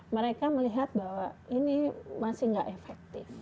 mereka melihat bahwa ini masih tidak efektif